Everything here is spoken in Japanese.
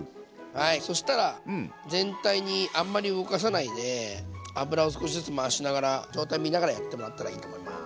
はいそしたら全体にあんまり動かさないで油を少しずつ回しながら状態見ながらやってもらったらいいと思います。